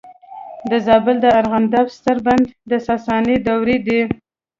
د زابل د ارغنداب ستر بند د ساساني دورې دی